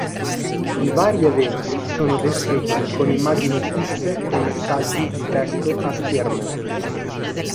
I vari eventi sono descritti con immagini fisse e messaggi di testo a schermo.